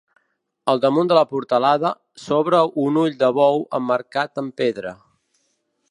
Al damunt de la portalada s'obre un ull de bou emmarcat amb pedra.